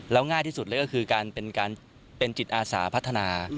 แล้วง่ายที่สุดเลยก็คือการเป็นจิตอาสาพัฒนา